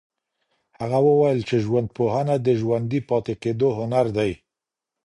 هغه وویل چي ژوندپوهنه د ژوندي پاته کيدو هنر دی.